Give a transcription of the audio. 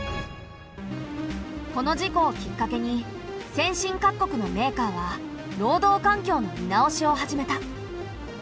この事故をきっかけに先進各国のメーカーは労働環境の見直しを始めた。